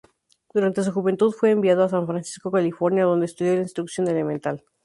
Durante su juventud fue enviado a San Francisco, California donde estudió la instrucción elemental.